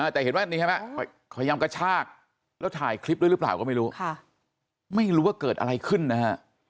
แต่เห็นว่านี่ใช่ไหมพยายามกระชากแล้วถ่ายคลิปด้วยหรือเปล่าก็ไม่รู้ไม่รู้ว่าเกิดอะไรขึ้นนะฮะ